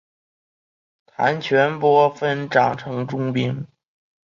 谭全播分掌城中兵。